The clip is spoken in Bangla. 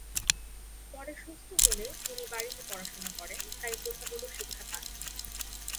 পরে সুস্থ হলে তিনি বাড়িতে পড়াশোনা করেন, তাই প্রথাগত শিক্ষা পাননি।